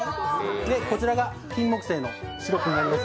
こちらが金もくせいのシロップになります